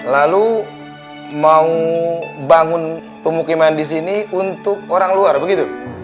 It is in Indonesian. lalu mau bangun pemukiman disini untuk orang luar begitu